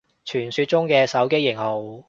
傳說中嘅手機型號